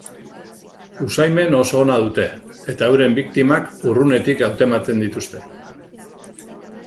Usaimen oso ona dute, eta euren biktimak urrunetik hautematen dituzte.